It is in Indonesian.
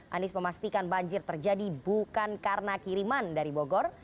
anies memastikan banjir terjadi bukan karena kiriman dari bogor